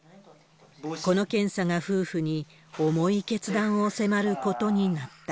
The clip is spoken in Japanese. この検査が夫婦に重い決断を迫ることになった。